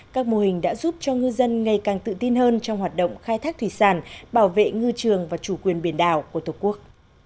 các mô hình đã giúp cho ngư dân ngày càng tự tin hơn trong hoạt động khai thác thủy sản bảo vệ ngư trường và chủ quyền biển đảo của tổ quốc